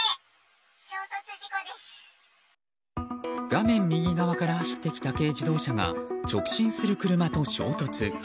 画面右側から走ってきた軽自動車が直進する車と衝突。